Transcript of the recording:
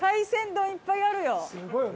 すごいよ。